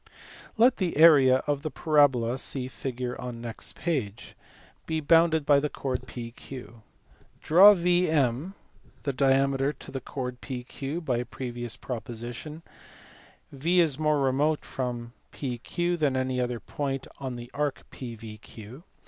Let the area of the parabola (see figure on next page) be bounded by the chord PQ. Draw VM the diameter to the chord PQ, then (by a previous proposition), V is more remote from PQ than any other point in the arc PVQ.